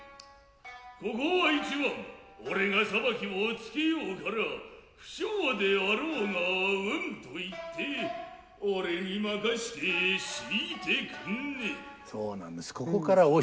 ここは一番己が裁きをつけようから不肖で有ろうがうんと言って己に任せて引いてくんねえ。